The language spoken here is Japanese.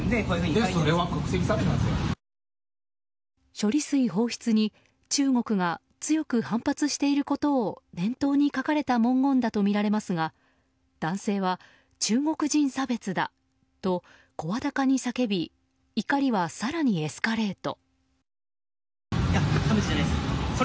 処理水放出に中国が強く反発していることを念頭に書かれた文言だとみられますが男性は、中国人差別だと声高に叫び怒りは更にエスカレート。